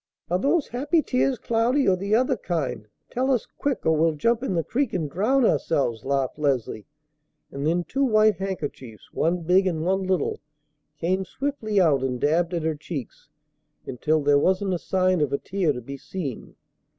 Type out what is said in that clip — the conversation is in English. "Are those happy tears, Cloudy, or the other kind? Tell us quick, or we'll jump in the creek and drown ourselves," laughed Leslie; and then two white handkerchiefs, one big and one little, came swiftly out and dabbed at her cheeks until there wasn't a sign of a tear to be seen.